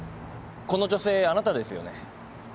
この女性あなたですよね？